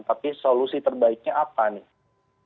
tapi solusi terbaiknya apa nih